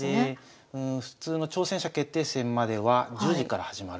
普通の挑戦者決定戦までは１０時から始まる。